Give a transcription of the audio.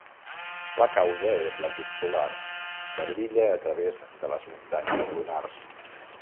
La causa és la llum solar que brilla a través de les muntanyes lunars.